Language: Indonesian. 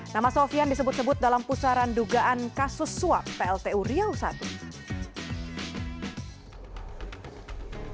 nama sofian disebut sebut dalam pusaran dugaan kasus suap pltu riau i